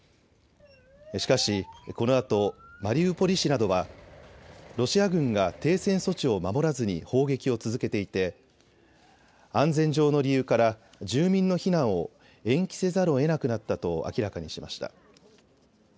しかし、このあとマリウポリ市などはロシア軍が停戦措置を守らずに砲撃を続けていて安全上の理由から住民の避難を延期せざるを得なくなったと明らかにしました。